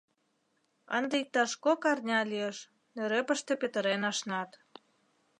Ынде иктаж кок арня лиеш, нӧрепыште петырен ашнат.